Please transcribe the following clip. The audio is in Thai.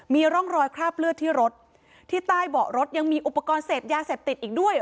มีร่องรอยคราบเลือดที่รถที่ใต้เบาะรถยังมีอุปกรณ์เสพยาเสพติดอีกด้วย